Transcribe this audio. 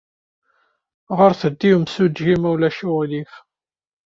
Ɣret-d i yimsujji, ma ulac aɣilif.